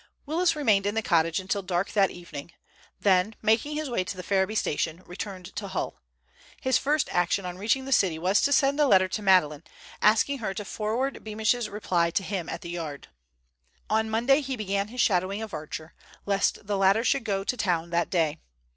Willis remained in the cottage until dark that evening, then, making his way to Ferriby station, returned to Hull. His first action on reaching the city was to send a letter to Madeleine, asking her to forward Beamish's reply to him at the Yard. On Monday he began his shadowing of Archer, lest the latter should go to town that day.